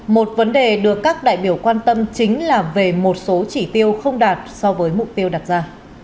một vấn đề được các đại biểu quan tâm chính là về một số chỉ tiêu không đạt so với mục tiêu đặt ra